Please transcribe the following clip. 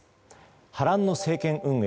波乱の政権運営